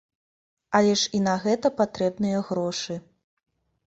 Але ж і на гэта патрэбныя грошы.